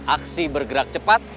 aksi bergerak cepat